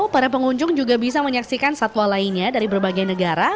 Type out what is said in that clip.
para pengunjung juga bisa menyaksikan satwa lainnya dari berbagai negara